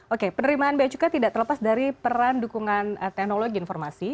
oke penerimaan bea cukai tidak terlepas dari peran dukungan teknologi informasi